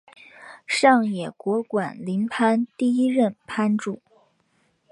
上野国馆林藩第一任藩主。